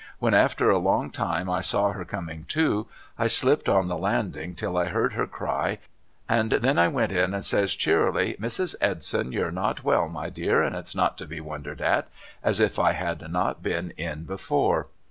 When after a long time I saw her coming to, I slipped on the landing till I heard her cry, and then I went in and says cheerily ' Mrs. Edson you're not well my dear and it's not to be wondered at,' as if I had not been in before.